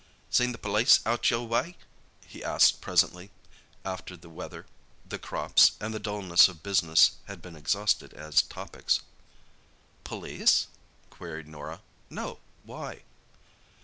"Seen the p'lice out your way?" he asked presently, after the weather, the crops, and the dullness of business had been exhausted as topics. "Police?" queried Norah. "No. Why?"